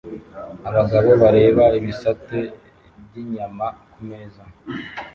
Abagabo bareba ibisate by'inyama kumeza